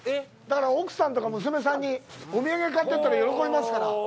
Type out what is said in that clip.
だから、奥さんとか娘さんにお土産買っていったら喜びますから。